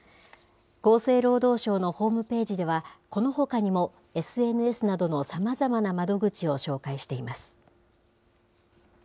厚生労働省のホームページでは、このほかにもＳＮＳなどのさまざまな窓口を紹介しています。